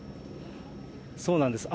そうなんです。